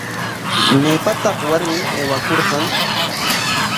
¿Maypataq warmi aywakurqan?